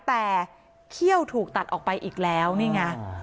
แต่เขี้ยวถูกตัดออกไปอีกแล้วนี่ไง